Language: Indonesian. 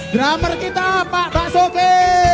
drummer kita pak basuki